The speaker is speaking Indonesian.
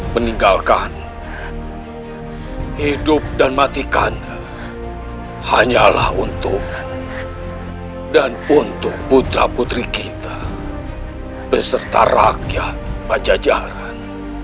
meninggalkan hidup dan matikan hanyalah untuk dan untuk putra putri kita beserta rakyat pajajaran